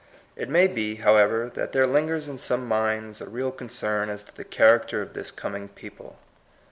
It may be, however, that there lingers in some minds a real concern as to the character of this coming people.